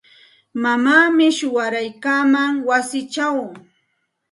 Mamaami shuwaraykaaman wasichaw.